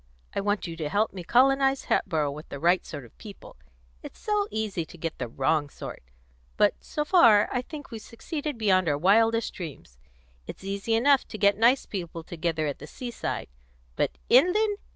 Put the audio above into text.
I want you to help me colonise Hatboro' with the right sort of people: it's so easy to get the wrong sort! But, so far, I think we've succeeded beyond our wildest dreams. It's easy enough to get nice people together at the seaside; but inland!